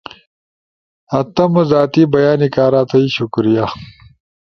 ئی تمو زاتی بیانی کارا تھئی شکریہ